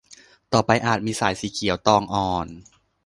ต่อไปอาจมีสายสีเขียวตองอ่อน